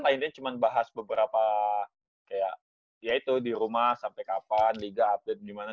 lainnya cuma bahas beberapa kayak ya itu di rumah sampai kapan liga update gimana